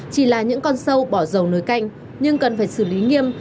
chỉ là những con sâu bỏ dầu nối canh nhưng cần phải xử lý nghiêm